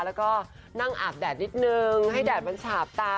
แล้วก็นั่งอาบแดดนิดนึงให้แดดมันฉาบตา